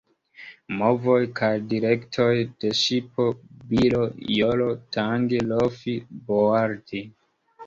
Movoj kaj direktoj de ŝipo: biro, joro, tangi, lofi, boardi.